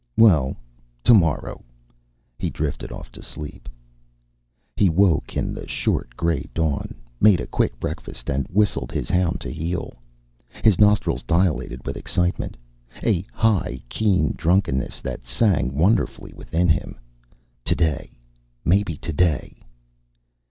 Well tomorrow he drifted off to sleep. He woke in the short gray dawn, made a quick breakfast, and whistled his hound to heel. His nostrils dilated with excitement, a high keen drunkenness that sang wonderfully within him. Today maybe today!